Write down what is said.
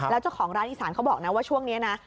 แล้วเจ้าของร้านอีสานเขาบอกนะว่าช่วงนี้นะ